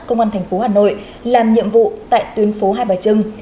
công an thành phố hà nội làm nhiệm vụ tại tuyến phố hai bà trưng